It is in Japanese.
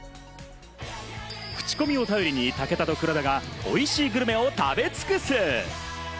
クチコミを頼りに武田と黒田が美味しいグルメを食べ尽くす！